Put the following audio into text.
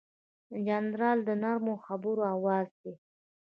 جانداد د نرمو خبرو آواز دی.